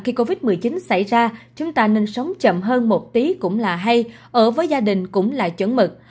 khi covid một mươi chín xảy ra chúng ta nên sống chậm hơn một tí cũng là hay ở với gia đình cũng là chuẩn mực